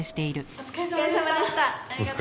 お疲れさまでした。